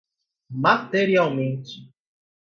materialmente